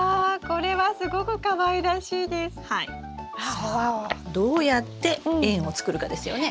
さあどうやって円を作るかですよね。